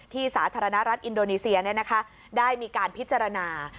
สาธารณรัฐอินโดนีเซียได้มีการพิจารณา